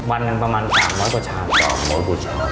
วันหนึ่งประมาณ๓๐๐กว่าช้ำ